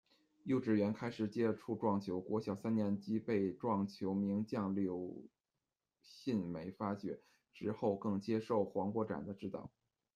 幼稚园开始接触撞球，国小三年级时被撞球名将柳信美发掘，之后更接受黄国展的指导。